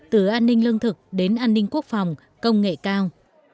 từ an ninh lương thực đến an ninh quốc phòng công nghệ cao